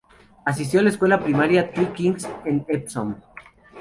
Asistió a la Escuela Primaria Three Kings en Epsom.